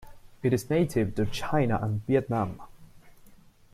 It is native to China and Vietnam.